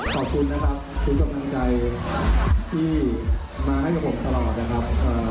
ขอบคุณนะครับทุกกำลังใจที่มาให้กับผมตลอดนะครับ